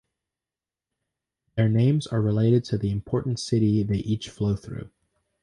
Their names are related to the important city they each flow through.